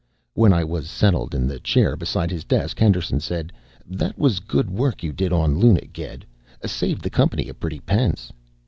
When I was settled in the chair beside his desk, Henderson said, "That was good work you did on Luna, Ged. Saved the company a pretty pence."